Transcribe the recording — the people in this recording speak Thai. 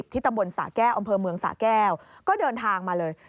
ตำบลสะแก้วอำเภอเมืองสะแก้วก็เดินทางมาเลย